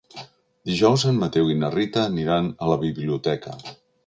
Dijous en Mateu i na Rita aniran a la biblioteca.